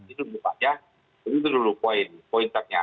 itu dulu poin poinnya